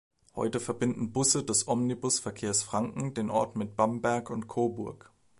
Heute verbinden Busse des Omnibusverkehrs Franken den Ort mit Bamberg und Coburg.